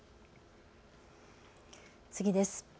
次です。